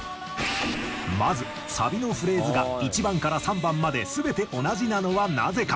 まずサビのフレーズが１番から３番まで全て同じなのはなぜか？